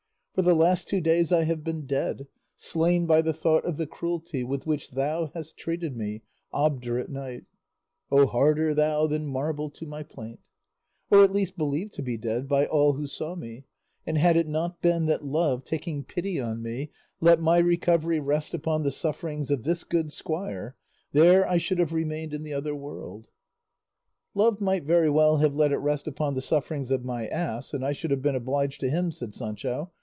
For the last two days I have been dead, slain by the thought of the cruelty with which thou hast treated me, obdurate knight, O harder thou than marble to my plaint; or at least believed to be dead by all who saw me; and had it not been that Love, taking pity on me, let my recovery rest upon the sufferings of this good squire, there I should have remained in the other world." "Love might very well have let it rest upon the sufferings of my ass, and I should have been obliged to him," said Sancho.